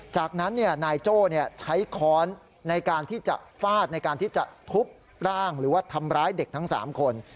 จากนั้นนายโจ้ใช้ค้อนในการที่จะฟาดในการที่จะทุบร่างหรือว่าทำร้ายเด็กทั้ง๓คน